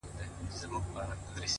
ښكلي چي گوري، دا بيا خوره سي،